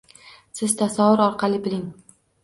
Siz tasavvur orqali biling.